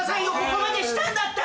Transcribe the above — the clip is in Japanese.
ここまでしたんだったら。